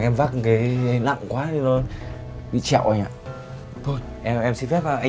kim vẫn nhắn tin cho em họ của chồng ra sau nhà để quan hệ